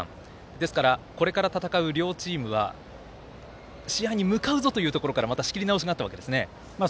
ですからこれから戦う両チームは試合に向かうぞ！というところからまた仕切り直しになったようですね。